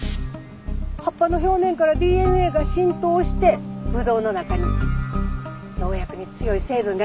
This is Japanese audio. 葉っぱの表面からＤＮＡが浸透してぶどうの中に農薬に強い成分ができるんです。